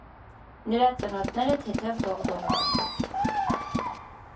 Նրա ծնոտները թեթև դողդողում էին: